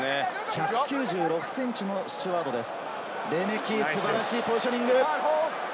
１９６ｃｍのスチュワードです。